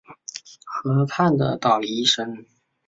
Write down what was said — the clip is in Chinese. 河畔的捣衣声